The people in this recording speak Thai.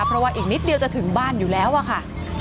เพราะว่าอีกนิดเดียวจะถึงบ้านอยู่แล้วอะค่ะ